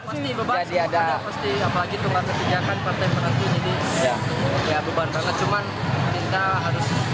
ya beban banget cuman kita harus maksimal aja lah